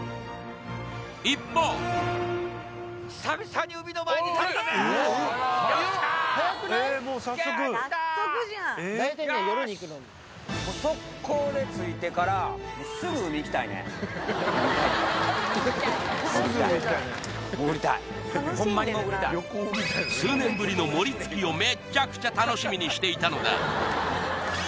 一方数年ぶりのモリ突きをめっちゃくちゃ楽しみにしていたのだ